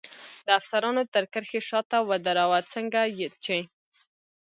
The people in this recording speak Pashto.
د افسرانو تر کرښې شاته ودراوه، څنګه چې.